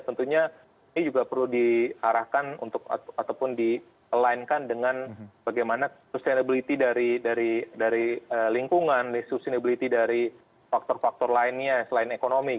tentunya ini juga perlu diarahkan untuk ataupun di linekan dengan bagaimana sustainability dari lingkungan sustainability dari faktor faktor lainnya selain ekonomi